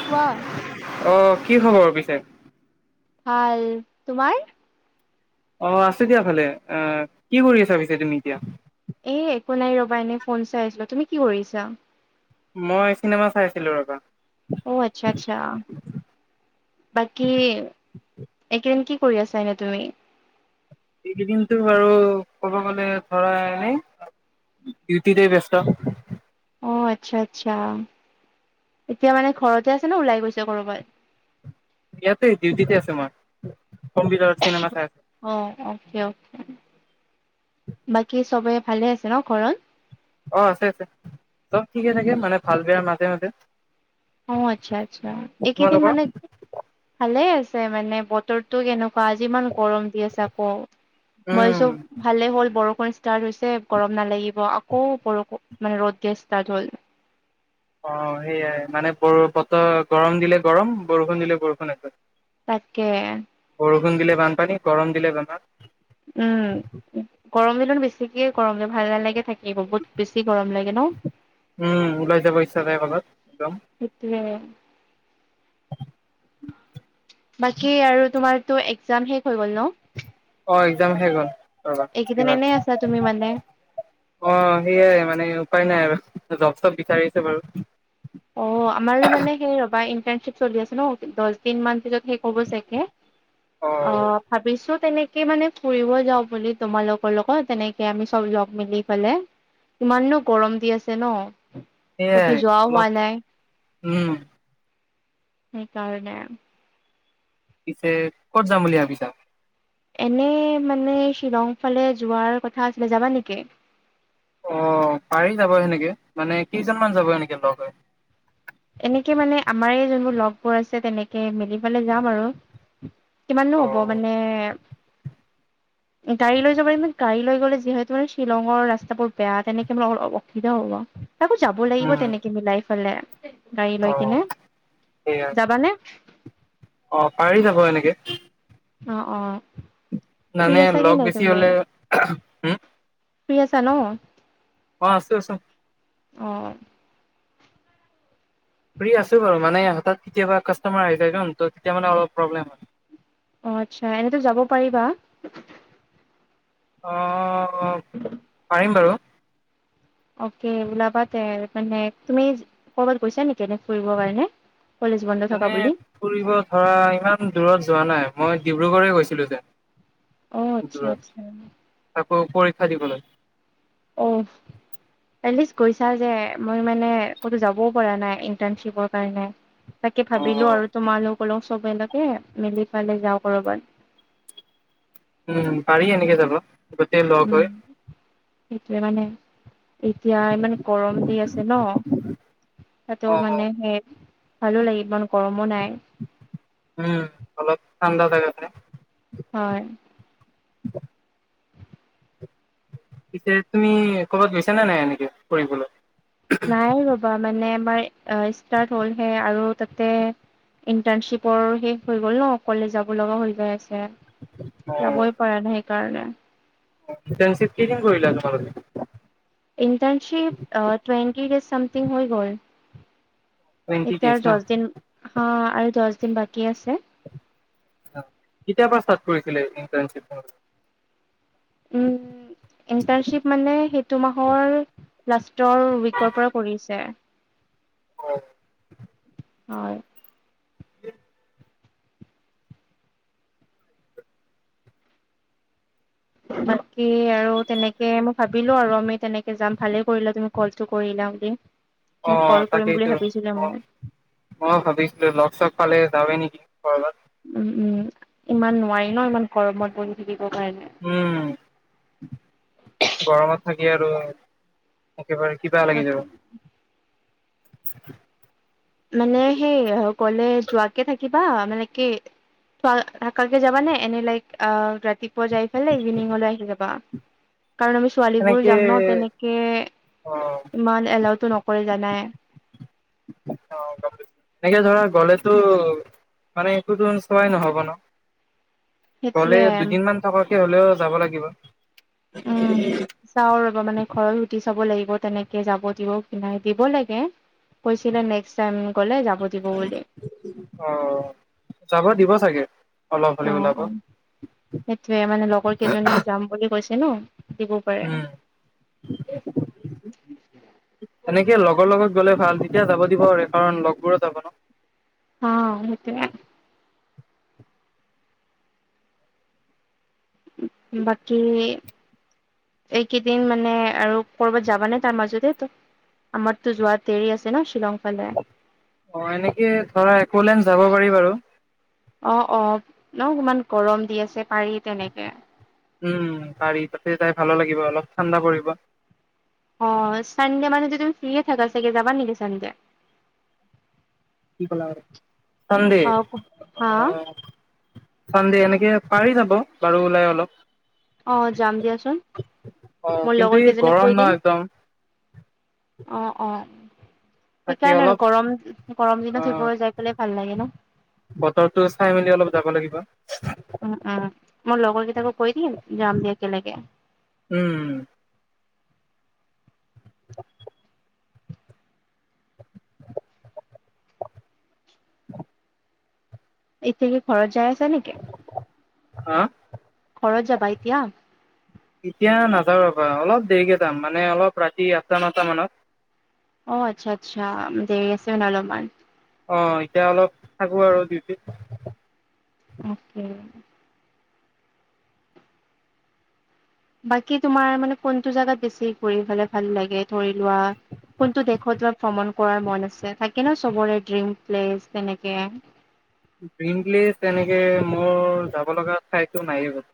কোৱা অ' কি খবৰ পিছে? ভাল, তোমাৰ? অ' আছো দিয়া ভালে, আহ কি কৰি আছা পিছে তুমি এতিয়া? এ একো নাই ৰবা এনে ফোন চাই আছিলো, তুমি কি কৰিছা? মই চিনেমা চাইছিলো ৰবা। অ' আচ্ছা আচ্ছা। বাকী, এইকেইদিন কি কৰি আছা তুমি? এইকেইদিনো বাৰু ক'ব গলে ধৰা এনেই ডিউটিতে ব্যস্ত। অ' আচ্ছা আচ্ছা, এতিয়া মানে ঘৰতে আছে ন ওলাই গৈছে কৰ'বাত? ইয়াতে ডিউটিতে আছে মই, কম্পিউটাৰত চিনেমা চাই আছো। অ' অকে অ'। বাকী চবে ভালে আছে ন ঘৰত? অ' আছে আছে চব ঠিকে উম থাগে মানে ভাল বেয়া মাজে মাজে। অ' আচ্ছা আচ্ছা, এইকেইদিন তোমালোকৰ মানে ভালে আছে মানে বটৰতো কেনেকুৱা আজি ইমান গৰম দি আছে আকৌ, মই উম চব ভালেই হ'ল বৰষুণ ষ্টাৰ্ট হৈছে গৰম নালাগিব আকৌ বৰষুণ মানে ৰ'দ দিয় ষ্টাৰ্ট হ'ল। অ' সেয়াই মানে ব বতৰ গৰম দিলে গৰম বৰষুণ দিলে বৰষুণ আছে। তাকে। বৰষুণ দিলে বানপানী, গৰম দিলে বেমাৰ। উম, গৰম দিনত বেছিকৈ গৰম দিন ভাল নালাগে থাকি। এইব বহুত বেছি গৰম লাগে ন। উম ওলাই যাব ইচ্ছা যায় কৰ'বাত একদম সেইটোৱেই। বাকী আৰু তোমাৰটো একজাম শেষ হৈ গ'ল ন? অ' এক্সাম শেষ হল ৰবা এইকেইদিন কিবা এনে আছা তুমি মানে? অ' সেইয়াই মানে উপায় নাই আৰু জব চব বিচাৰিছে বাৰু। অ' আমাৰো মানে সেই ৰবা ইণ্টাৰ্ণশ্বিপ চলি আছে ন দহ দিন মান পিছত শেষ হব ছাগে। [inaudible] অ'। ভাবিছো, তেনেকে মানে ফুৰিব যাওঁ বুলি তোমালোকৰ লগত তেনেকে আমি চব লগ মিলি গলে। ইমানো গৰম দি আছে ন। ক'তো সেৱাই, যোৱাও হোৱা অলপ উম সেইকাৰণে পিছে, ক'ত যাম বুলি ভাবিছা? এনে মানে শ্বিলং ফালে যোৱাৰ কথা আছিলে, যাবা নেকি? অ' পাৰি যাব সেনেকে মানে কেইজন মান যাব এনেকে লগ হৈ। এনেকে মানে আমাৰ যোনবোৰ লগবোৰ আছে তেনেকে মিলি পেলাই যাম আৰু। অ কিমানো হ'ব মানে [inaudible] গাড়ী লৈ যাবাৰিমে গাড়ী লৈ গ'লে যিহেতু মানে শ্বিলঙ ৰা্তাবোৰ বেয়া তেনেকে মানে অলপ অসুবিধা হ'ব। আকৌ যাব লাগিব উম তেনেকে মিলাই ফালে গাড়ী অ লৈ কিনে, সেইয়াই যাবানে? অ, পাৰি যাব এনেকে। অ, অ। ফ্ৰী মানে আছা কি লগ নাই বেছি তুমি? হলে হুম ফ্ৰী আছা ন? অ, আছোঁ আছোঁ। অ, ফ্ৰী আছোঁ বাৰু মানে হঠাৎ কেতিয়াষ্টমাৰ আহি যায় তেতিয়া মানে অলপ প্ৰব্লেম হয়। অ, আচ্ছা, এনেতো যাব পাৰিবা? অজ পাৰিম বাৰু। অকে ওলাবা তে, মানে তুমি ক'বাত গৈছা নেকি এনে ফুৰিবৰ কাৰণে? কলেজ বন্ধ থকা এনে বুলি ফুৰিব ধৰা ইমান দূৰত যোৱা নাই মই ডিব্ৰুগড় গৈছিলোঁ যেন। অ আচ্ছা ভিতৰত আচ্ছা তাকৌ পৰীক্ষা দিবলৈ। অ, এটলিস্ত গৈছা যে মই মানে কতো যাবও পৰা নাই ইণ্টাৰ্শিপৰ কাৰণে। তাকে ভাবিলোঁ আৰু তোমালোক অলপ চবে লকে মিলি পেলে যাওঁ কৰবাত। উম, পাৰি এনেকে যাব, গোটেই লগ হৈ। সেইটোয়ে মানে এতিয়া ই মমানে গৰম দি আছে ন, তাতো মানে সে ভালো লাগে ইমান গৰমো নাই। উম অলপ ঠাণ্ডা থাকে, হয়। পিছে তুমি কৰ'বাত গৈছা নে নাই এনেকে ফুৰিবঢ়লৈ? নাই ৰবা মানে আমাৰ ষ্টাৰ্ট হ'লহে আৰু তাতে, ইণ্টাৰ্ণশ্বিপৰ শেষ হৈ গ'ল ন কলেজ যাব লগা হৈ যায় আছে। অ যাবই পৰা নাই সেইকাৰণে। [inaudible] [inaudible] টুৱেণ্টি ডে'চ চামথিং হৈ গ'ল। টুৱেন্টি এতিয়া ডেইজ ন? দহ দিন হা আৰু দহ দিন বাকী আছে। কেতিয়া পছ তাত কৰিছিলে ইণ্টনশিপ? উম [unintelligible] ইণ্টাৰ্ণশ্বিপ মানে সেইটো মাহৰ লাষ্টৰ উইকৰ পৰা কৰিছে। হয়। হয়। [inaudible] বাকী আৰু তেনেকে মই ভাবিলো আৰু আমি তেনেকে যাম ভালে কৰিলা তুমি কলটো কৰিলা বুলি অ মোক কল কৰিম তাকেইতো বুলি ভাবিছিলোৱে মই। মই ভাবিছিলো লগ চগ ফালে যাউৱে নেকি কৰ'ৰবাত। উম উম ইমান নোৱাৰি ন ইমান গৰমত বহ থাকিব কাৰণে। উম, গৰমত থাকি আৰু একেবাৰে কিবা লাগি তাকে যাব। মানে সেই কলে যোৱাকে থাকিবা মানে কি কালকে যাবা নে এনে লাইক আহ ৰাতিপুৱা যাই ইভিনিংলৈ আহি যাবা কাৰণ আমি ছোৱালী বোৰো এনেকে যাম ন তেনেকে, অ ইমান এলাউতটো নকৰে জানাই। [inaudible] এনেকে ধৰা গলেতো, মানে একোতো চোৱাই নহ'ব ন। গলে সেইটোয়ে দুদিন মমান থকাকে হলেও যাব লাগিব। চাওঁ ৰব মানে ঘৰত সুটি চাব লাগিব তেনেকে যাব দিব কি নাই দিব লাগে কৈছিলে নেক্সট টাইম গলে যাব দিব বুলি অ যাব দিব চাগে অলপ অ হ'লেও ওলাব। অ সেইটয়ে মানে লগৰ কেইজনীয়ে যাম বুলি কৈছে নো দিব পাৰে উম, [inaudible] এনেকে লগৰ লগত গ'লে ভাল তেতিয়া যাব দিব আৰু কাৰণ লগবোৰো যাব ন। অ, ' সেই বাকী এইকেইদিন মানে আৰু কৰ'বাত যাবা নে তাৰ মাজতে? আমাৰতো যোৱাদেৰি আছে ন শ্বিলং ফালে অ, ' এনেকে ধৰা একোলেন্ড যাব পাৰি বাৰু অ, ' অ, ' ন, ইমান গৰম দি আছে পাৰি তেনেকে উম, পাৰ়ি তাতে যায় ভালো লাগিব অলপ ঠাণ্ডা পৰিব অ, ' চানডে মানে যদি তুমি ফ্ৰিয়ে থাকা চাগে যাবা নেকি চানডে? কি ক সধে অ হা আহ [unintelligible] চানডে এনেকে পাৰি যাব বাৰু ওলাই অলপ। অ যাম দিয়াচোন অ, মোৰ ' লগৰ কিন্তু এই কেইজনীক কৈ গৰম ন দিম একদম অ, ' অ, ' তাকে সেইকাৰণে আৰু অলপ গৰম গৰম দিনত অ' সেইবোৰত যাই ফালে ভাল লাগে ন বতৰটো চাই মেলি অলপ যাব লাগিব। উম, উম, মোৰ লগৰ কেইটাকো কৈ দিম যাম দিয়া একেলগে। উম। এতিয়া কি খৰত যাই আছা নেকি? হা? ঘৰত যাবা এতিয়া। এতিয়া নাযাও ৰবা অলপ দেৰিকে যাম মানে অলপ ৰাতি আঠটা নটা মানত। অ, ' আচ্ছা আচ্ছা দেৰি আছে ন অলপমান। অ, ' এতিয়া অলপ থাকো আৰু ডিউটিত অকে [inaudible] বাকী তোমাৰ মানে কোনটো জেগাত বেছি ঘুৰি ফালে ভাল লাগে ধৰি লোৱা কোনটো দেশত ভ্ৰমণ কৰাৰ মন আছে থাকে ন চবৰে ড্ৰিম প্লেচ তেনেকে? গ এনেকে মোৰ যাব লগা ঠাই একো নাইয়ে বল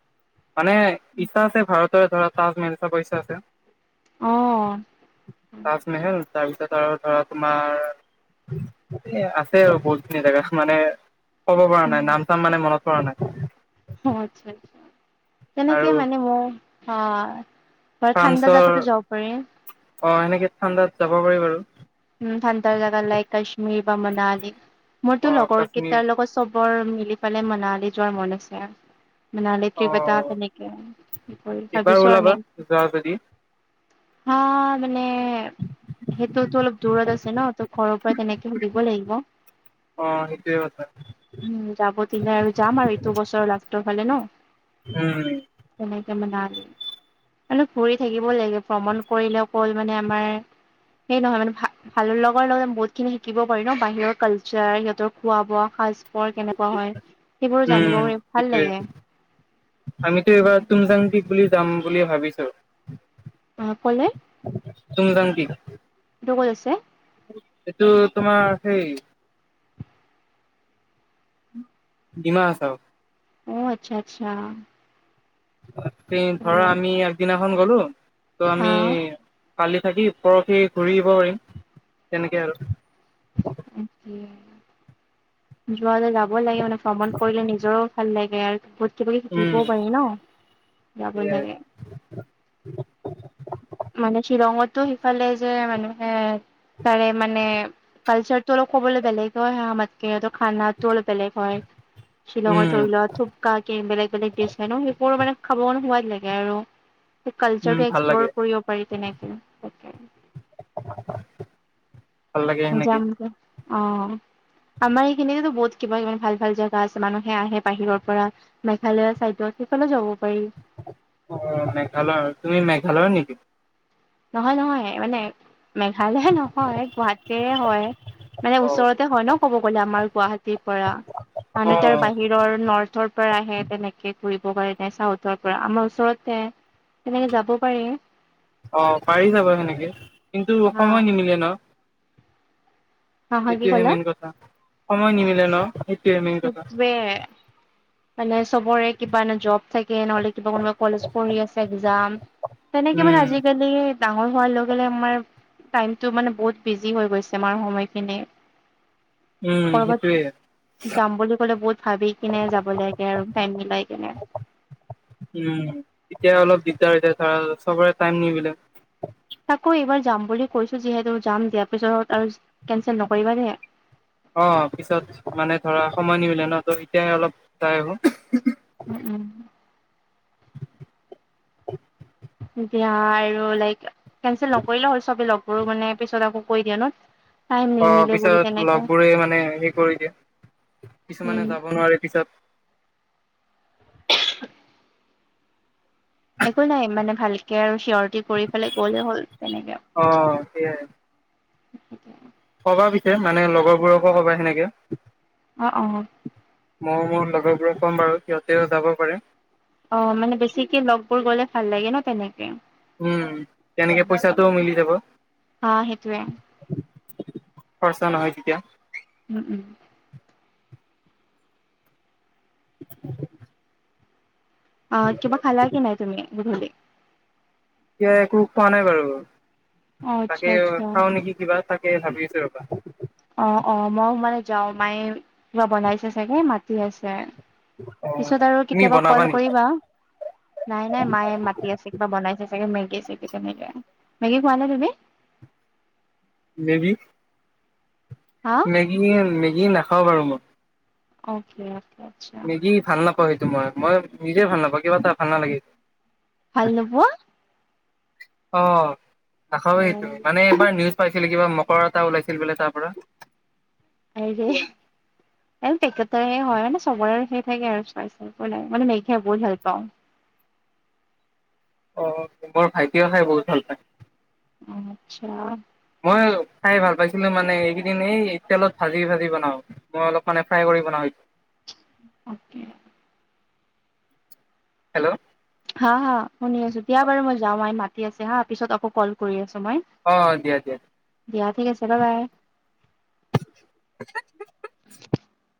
মানে ইচ্ছা আছে ভাৰতৰ ধৰা তাজমহল চাব ইচ্ছা আছে। অ', তাজমহল। তাৰপিছত আৰু ধৰা তোমাৰ এ আছে আৰু বহুত খিনি জেগা মানে ক'ব পৰা অ', নাই নাম চাম মানে মনত পৰা নাই। অ, ' আচ্ছা আচছা তেনেকে আৰু মানে মোৰ অ বাৰু ঠাণ্ডা ফ্ৰান্সৰ জাগাতো যাব পাৰি অ এনেকে ঠাণ্ডাত যাব পাৰি বাৰু। উ, ঠাণ্ডাৰ জেগা লাইক কাশ্মীৰ বা মনালী মোৰতো অ', লগৰ কাশ্মীৰ কেইটাৰ লগত চব বৰ মিলি পালে মনালি যোৱাৰ মন আছে। মনালী ট্ৰিপ অ', তেনেক এবাৰ ভাবিছ আৰু ওলাবা ন যোৱা যদি হা মানে সেইটো দূৰত আছে ন তো ঘৰৰ পৰা তেনেকে সুধিব লাগিব। অ, ' এয় বাদ উম, যাব দিলে আৰু যাম আৰু এইটো বছৰ লাষ্টটোৰ ফালে ন উম তেনেকে মনালি মানে ঘুৰি থাকিব লাগে ভ্ৰমণ কৰিলেও কল মানে আমাৰ সেই নহয় মানে ভ ভালৰ লগৰ লগত বহুত খিনি শিকিব পাৰি ন বাহিৰৰ কালচাৰ সিহঁতৰ খোৱা বোৱা সাজ পৰ কেনেকুৱা হয় সেইবোৰ জানিব উম পাৰি ভাল সেইটোয়ে লাগে। আমিতো এইবাৰ তুমজাং ট্ৰিপ বুলি যাম বুলি ভাবিছো। অ', ক'লে? টোমজং পিক। এটো ক'ত আছে? এইটো তোমাৰ সেই ডিমাহাচাও। অ', আচ্ছা আচ্ছা। ধৰা আমি একদিনাখন গলো ত' হা আমি কালি থাকি পৰহি ঘূৰিব পাৰিম তেনেকে আৰু। [unintelligible] লাগে মানে ভ্ৰমণ কৰিলে নিজৰো ভাল লাগে আৰু বহুত কিবা কিবি উম শিকিবও পাৰি ন যাব সেয়াই লাগে। মানে শ্বিলঙতো সিফালে যে মানুহে তাৰে মানে কালচাৰ টো অলপ ক'বলৈ বেলেগে হয় আমাতকে সিহঁতৰ খানাটো অলপ বেলেগ হয়। শ্বিলঙত উম ধৰি লোৱা থোপকা বেলেগ বেলেগ ডিচ হয় ন সেইবোৰ মানে খাব কাৰণে সোৱাদ লাগে আৰু কালচাৰ উম টো ভাল লাগে এক্সপ্ল'ৰ কৰিব পাৰি তেনেকে। তাকে ভাল লাগে যাম সেনেকে যাম অ'। আমাৰ এইখিনিৰিতো বহুত কিবা ইমান ভাল ভাল জেগা আছে মানুহে আহে বাহিৰৰ পৰা। মেঘালয়া চাইডত সেইফালো যাব পাৰি। অ', মেঘালয় তুমি মেঘালয়ৰ নেকি? নহয় নহয় মানে মেঘালয় ন হয় গুৱাহাটী হয় মানে অ ওচৰতে হয় ন ক'ব গ'লে আমাৰ গুৱাহাটী পৰা অ মানে তাৰ বাহিৰ নৰ্থৰ পৰা আহে তেনেকে ঘুৰিব কাৰণে চাউথৰ পৰা আমাৰ ওচৰতে। তেনেকে যাব পাৰে। অ', পাৰি যাব সেনেকে কিন্তু হা সময় নিমিলে ন। হা হা কি এইটোয়হে ক'লা? মেইন কথা সময় নিমিলে ন? সেইটোৱে মেইন কথা। সেটোৱে মানে চবৰে কিবা ন জব থাকি লে নহলে কিবা কোনোবা কলেজ পঢ়ি আছে একজাম তেনেকে উম, মানে আজিকালি ডাঙৰ হোৱাৰ লগে লগে আমাৰ টাইমতটো মানে বহুত বিজি হৈ গৈছে আমাৰ সময়খিনি। উম, ক'ৰবাত সেটোৱে। যাম বুলি ক'লে বহুত ভাবি কিনে যাব লাগে আৰু টাইম মিলাই কিনে। উম, তেতিয়া অলপ দিগদাৰ হৈ যায় ধৰ চবৰে টাইম নিমিলে। আকৌ এইবাৰ যাম বুলি কৈছো যিহেতু যাম দিয়া পিছত আৰু কেনচেল নকৰিবা দে। অ', পিছত মানে ধৰা সময় নিমিলে ন ত এতিয়া অলপ যাই আহো। উম, উম। এতিয়া আৰু লাইক কেনচেল নকৰিলেও হ'ল চবে লগবোৰ মানে পিছত আকৌ কৰি দিয়ে ন। টাইম অ', নিমিলে বুলি পিছত তেনেকে লগ বোৰে মানে হে কৰি দিয়ে উম। কিছুমানে যাব নোৱাৰে পিছত। একো নাই মানে ভালকে আৰু চিয়ৰিটি কৰি পেলাই গলে হ'ল তেনেকে। অ', সেইয়াই। কবা পিছে মানে লগৰবোৰকো কবা সেনেকে। অ', অ'। মই মোৰ লগৰবোৰক কম বাৰু সিহঁতেও যাব পাৰে। অ', মানে বেছিকে লগবোৰ গ'লে ভাল লাগে ন তেনেকে। উম, তেনেকে পইচাটোও মিলি যাব। অ', সেইটোৱে খৰচা নহয় তেতিয়া। উম, উম। [inaudible] অ' কিবা খালা কি নাই তুমি গধূলি? এতিয়া একো খোৱা নাই বাৰু, অ', আচ্ছা, তাকে আচ্ছা। খাও নেকি কিবা তাকে ভাবি আছো ৰবা। অ' অ' মইো মানে যাও মায়ে কিবা বনাইছে চাগে মাতি আছে। অ পিছত আৰু তুমি কেতিয়াবা বনাবা কল নেকি কৰিবা। নাই নাই মায়ে মাতি আছে কিবা বনাইছে চাগে মেগী চেগি তেনেকে। মেগী খোৱা নাই তুমি? মে বি হা মেগী, মেগী নাখাওঁ বাৰু মই। অ'কে। আচ্ছা মেগী ভাল নাপাওঁ সেইটো মই কিবা নিজে ভাল নাপাওঁ কিবা এটা ভাল নালাগে। ভাল নোপোৱা? অ', নাখাওয়ে সেইকাৰনেই, অ', মানে এইবাৰ নিউজ পাইছিলে কিবা মকৰ এটা ওলাইছিল বোলে তাৰ পৰা। [unintelligible] পেকেট হয় মানে চবৰে সেই থাকে আৰু [unintelligible] নাই মানে মেী খাই বহুত ভাল পাওঁ। অ' মোৰ ভাইটিও খাই বহুত ভাল পায়। আচ্ছা। মই খাই ভাল পাইছিলো মানে এইকেইদিন এই তেলত ভাজি ভাজি বনাও। মই অলপ মানে ফ্ৰাই কৰি বনাছো। অকে। হেল্ল' হা হা শুনি আছো দিয়া বাৰু মই যাওঁ মই মাতি আছে হা পিছত আকৌ কল কৰি আছো মই। অ' অ' দিয়া দিয়া। দিয়া ঠিক আছে ব বাই। [inaudible]